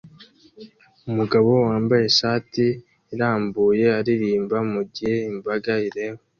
Umugabo wambaye ishati irambuye aririmba mugihe imbaga ireba